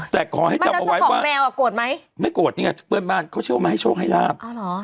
แต่ขอให้จำเอาไว้ว่าไม่โกรธเนี่ยเพื่อนบ้านเขาเชื่อว่ามาให้โชคให้ราบ